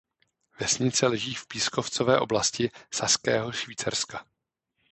Vesnice leží v pískovcové oblasti Saského Švýcarska.